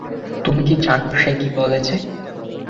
তুমি কি জানো সে কি বলেছে?